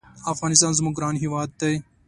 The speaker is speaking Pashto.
افغانستان زمونږ ګران هېواد دی